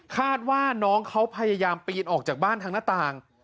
คาดว่าน้องเขาพยายามปีนออกจากบ้านทางหน้าต่าง